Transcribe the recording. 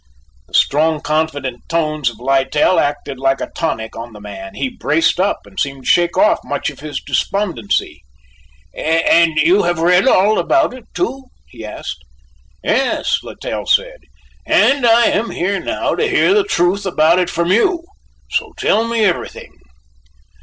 The strong confident tones of Littell acted like a tonic on the man. He braced up and seemed to shake off much of his despondency. "And you have read all about it too?" he asked. "Yes," Littell said, "and I am here now to hear the truth about it from you, so tell me everything."